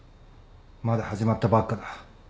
まだ始まったばっかだ。